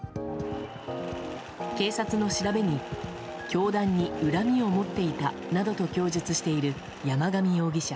警察の調べに教団に恨みを持っていたなどと供述している山上容疑者。